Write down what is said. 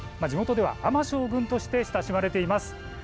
地元では尼将軍として親しまれています。